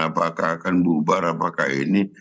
apakah akan bubar apakah ini